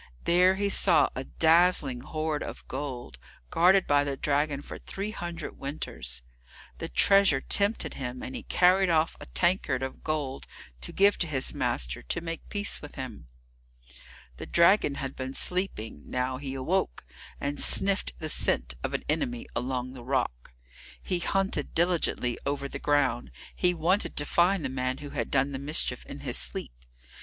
There he saw a dazzling hoard of gold, guarded by the dragon for three hundred winters. The treasure tempted him, and he carried off a tankard of gold to give to his master, to make peace with him. The dragon had been sleeping, now he awoke, and sniffed the scent of an enemy along the rock. He hunted diligently over the ground; he wanted to find the man who had done the mischief in his sleep.